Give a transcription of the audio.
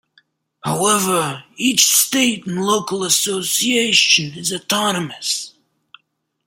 However, each state and local association is autonomous.